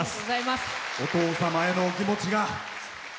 お父様へのお気持ちが。